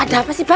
ada apa sih bang